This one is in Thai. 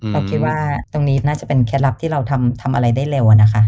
เราคิดว่าตรงนี้น่าจะเป็นเคล็ดลับที่เราทำอะไรได้เร็วนะคะ